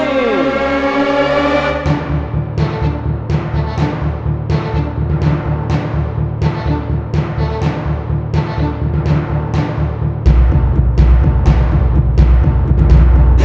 ร้องได้ครับ